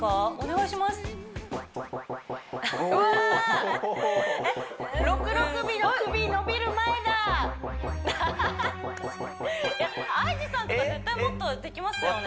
いやＩＧさんとか絶対もっとできますよね